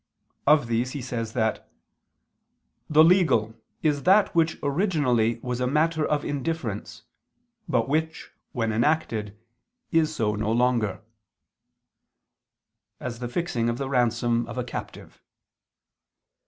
Of these he says that "the legal is that which originally was a matter of indifference, but which, when enacted, is so no longer": as the fixing of the ransom of a captive.